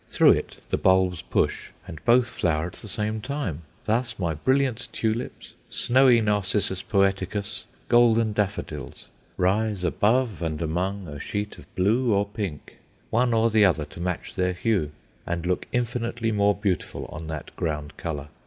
Through it the bulbs push, and both flower at the same time. Thus my brilliant tulips, snowy narcissus poeticus, golden daffodils, rise above and among a sheet of blue or pink one or the other to match their hue and look infinitely more beautiful on that ground colour.